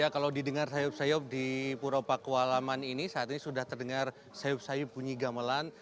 kalau didengar sayup sayup di puro pakualaman ini saat ini sudah terdengar sayup sayup bunyi gamelan